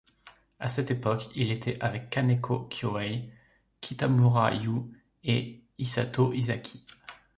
À cette époque, il était avec Kaneko Kyohei, Kitamura Yu et Hisato Izaki.